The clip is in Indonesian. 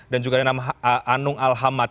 dan juga ada nama anung alhamad